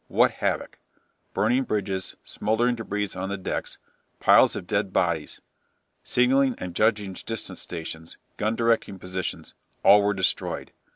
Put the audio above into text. What havoc! Burning bridges, smouldering débris on the decks, piles of dead bodies. Signalling and judging distance stations, gun directing positions, all were destroyed.